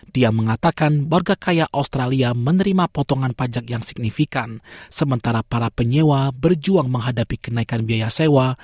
dia mengatakan warga kaya australia menerima potongan pajak yang signifikan sementara para penyewa berjuang menghadapi kenaikan biaya sewa